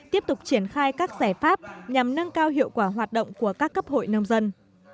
tiếp tục triển khai các giải pháp nhằm nâng cao hiệu quả hoạt động của các cấp hội nông dân